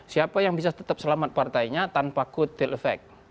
siapa yang bisa tetap selamat partainya tanpa co tail effect